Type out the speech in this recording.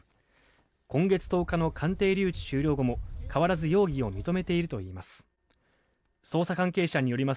今月１０日の鑑定留置終了後も変わらず容疑を認めているといいます。